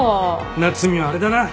夏海はあれだな。